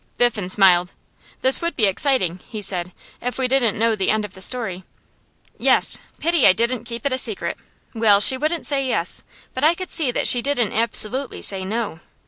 Biffen smiled. 'This would be exciting,' he said, 'if we didn't know the end of the story.' 'Yes. Pity I didn't keep it a secret. Well, she wouldn't say yes, but I could see that she didn't absolutely say no.